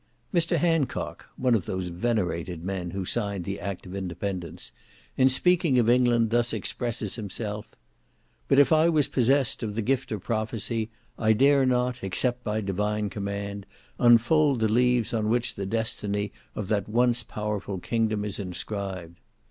Mr. Hancock (one of those venerated men who signed the act of independence), in speaking of England, thus expresses himself: "But if I was possessed of the gift of prophecy, I dare not (except by Divine command) unfold the leaves on which the destiny of that once powerful kingdom is inscribed."